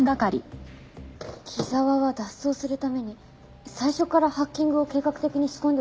木沢は脱走するために最初からハッキングを計画的に仕込んでおいたんでしょうか？